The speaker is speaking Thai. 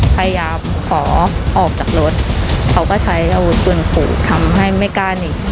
พยายามขอออกจากรถเขาก็ใช้อาวุธปืนขู่ทำให้ไม่กล้าหนี